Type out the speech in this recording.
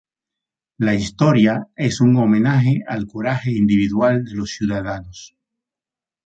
La historia es un homenaje al coraje individual de los ciudadanos.